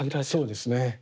そうですね。